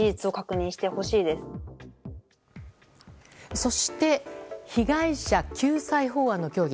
そして、被害者救済法案の協議。